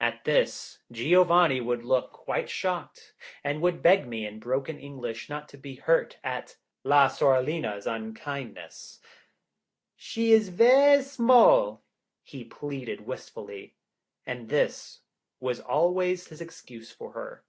At this, Giovanni would look quite shocked, and would beg me in broken English not to be hurt at 'la sorellina's' unkindness. "She so ver' small!" he pleaded wistfully, and this was always his excuse for her.